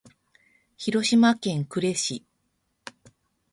広島県呉市